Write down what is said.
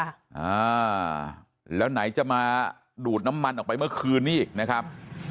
อ่าแล้วไหนจะมาดูดน้ำมันออกไปเมื่อคืนนี้อีกนะครับ